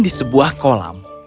di sebuah kolam